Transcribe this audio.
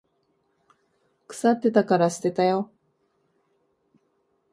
腐ってたから捨てたよ。